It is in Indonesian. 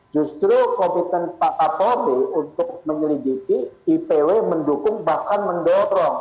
justru kompeten pak pak tomi untuk menyelidiki ipw mendukung bahkan mendorong